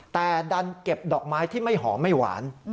แต่ดันเก็บดอกไม้ที่ไม่หอมไม่หวาน